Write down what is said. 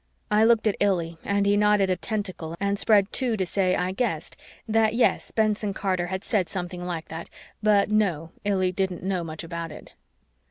I looked at Illy and he nodded a tentacle and spread two to say, I guessed, that yes, Benson Carter had said something like that, but no, Illy didn't know much about it.